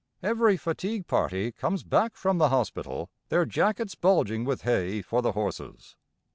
Every fatigue party comes back from the hospital, their jackets bulging with hay for the horses.